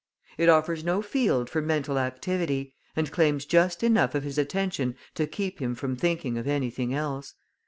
It offers no field for mental activity, and claims just enough of his attention to keep him from thinking of anything else.